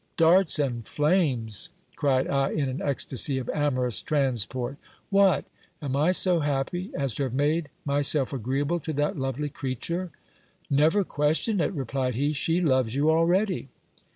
Darts and flames ! cried I in an ecstacy of amorous transport ; what ! am I so happy as to have made myself agreeable to that lovely creature ? Never question it, replied he ; she loves you already.